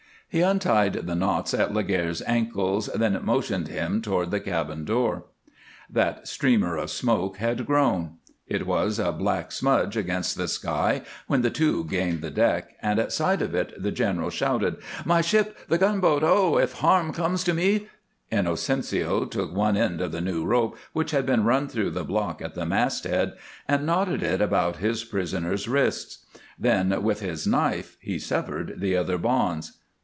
He untied the knots at Laguerre's ankles, then motioned him toward the cabin door. That streamer of smoke had grown; it was a black smudge against the sky when the two gained the deck, and at sight of it the general shouted: "My ship! The gunboat! Ho! If harm comes to me " Inocencio took one end of the new rope which had been run through the block at the masthead, and knotted it about his prisoner's wrists, then with his knife he severed the other bonds.